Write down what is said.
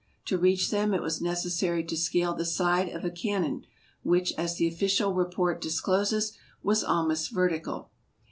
To reach them it was necessary to scale the side of a canon, which, as the official report discloses, was almost vertical.